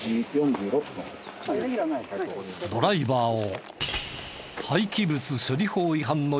ドライバーを。